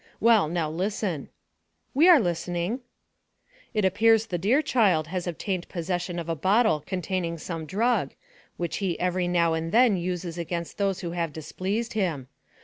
Well, now listen." "We are listening." "It appears the dear child has obtained possession of a bottle containing some drug, which he every now and then uses against those who have displeased him.